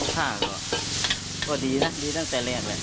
ภาพก็ดีดีตั้งแต่แรกแหวว